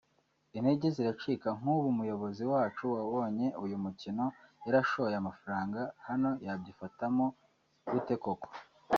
intege ziracika nk’ubu umuyobozi wacu wabonye uyu mukino yarashoye amafaranga hano yabyifatamo gute koko